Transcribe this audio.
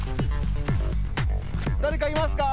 だれかいますか？